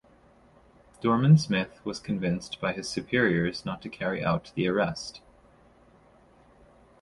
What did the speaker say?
Dorman-Smith was convinced by his superiors not to carry out the arrest.